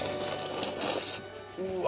うわ。